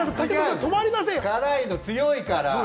辛いの強いから。